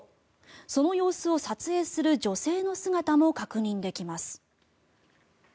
その様子を撮影する女性の姿も確認できます。